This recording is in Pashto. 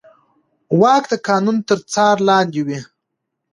واک د قانون تر څار لاندې وي.